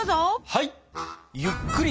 はい。